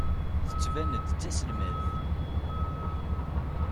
Tettban-d d taselmadt.